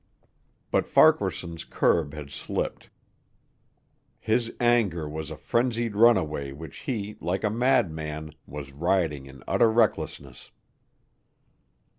But Farquaharson's curb had slipped. His anger was a frenzied runaway which he, like a madman, was riding in utter recklessness.